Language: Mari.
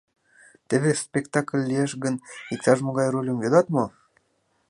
Теве спектакль лиеш гын, иктаж-могай рольым йодат мо?